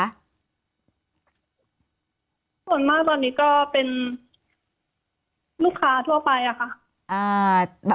ส่วนมากตอนนี้ก็เป็นลูกค้าทั่วไปอะค่ะ